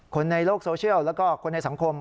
คนในโลกโซเชียลแล้วก็คนในสังคม